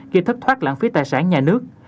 khi thất thoát lãng phí tài sản nhà nước